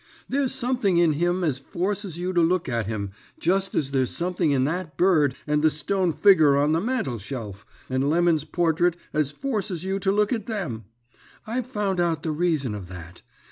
There's something in him as forces you to look at him just as there's something in that bird, and the stone figger on the mantelshelf, and Lemon's portrait as forces you to look at them. I've found out the reason of that.